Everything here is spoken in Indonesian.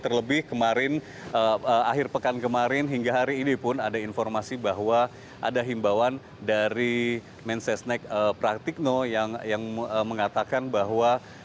terlebih kemarin akhir pekan kemarin hingga hari ini pun ada informasi bahwa ada himbawan dari mensesnek praktikno yang mengatakan bahwa